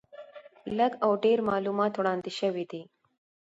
لږ او ډېر معلومات وړاندې شوي دي.